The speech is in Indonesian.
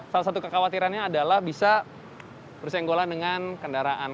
salah satu kekhawatirannya adalah bisa bersenggolan dengan kendaraan